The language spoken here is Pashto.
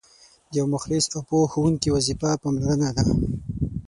د یو مخلص او پوه ښوونکي وظیفه پاملرنه ده.